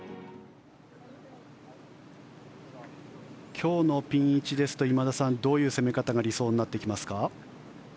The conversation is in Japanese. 今日のピン位置ですと今田さん、どういう攻め方が理想になってきますか。